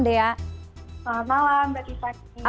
selamat malam mbak isha